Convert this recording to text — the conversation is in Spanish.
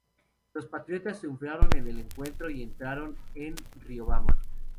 Los patriotas triunfaron en el encuentro y entraron en Riobamba.